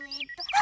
あ！